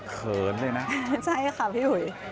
เคริญเลยนะใช่ค่ะพี่หุย